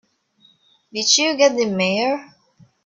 Did you get the Mayor?